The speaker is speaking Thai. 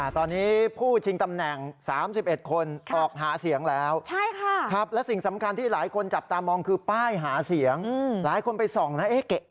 ตอนนี้ผู้ชิงตำแหน่ง๓๑คนออกหาเสียงแล้วและสิ่งสำคัญที่หลายคนจับตามองคือป้ายหาเสียงหลายคนไปส่องนะ